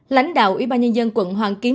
lãnh đạo ủy ban nhân dân quận hoàng kiếm